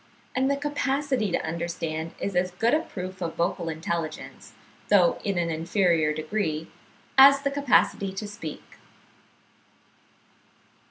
And the capacity to understand is as good a proof of vocal intelligence, though in an inferior degree, as the capacity to speak."